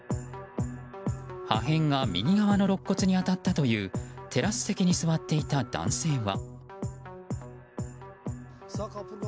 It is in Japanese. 破片が右側の肋骨に当たったというテラス席に座っていた男性は。